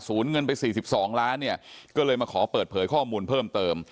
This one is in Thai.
เงินไป๔๒ล้านเนี่ยก็เลยมาขอเปิดเผยข้อมูลเพิ่มเติม